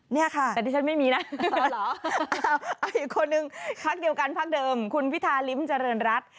นี่ค่ะเอาอีกคนหนึ่งคักเดียวกันพักเดิมคุณพิทาริมจริญรัตร